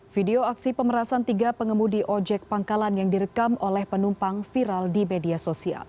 video aksi pemerasan tiga pengemudi ojek pangkalan yang direkam oleh penumpang viral di media sosial